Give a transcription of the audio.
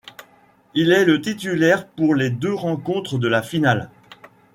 Il est le titulaire pour les deux rencontres de la finale.